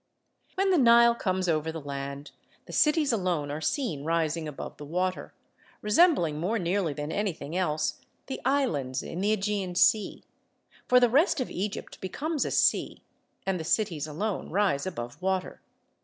When the Nile comes over the land, the cities alone are seen rising above the water, resembling more nearly than anything else the islands in the Egean Sea; for the rest of Egypt becomes a sea and the cities alone rise above water.